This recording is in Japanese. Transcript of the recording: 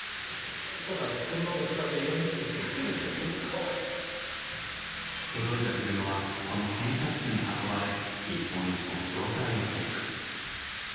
ただ届いたフィルムはこの検査室に運ばれ一本一本状態をチェック。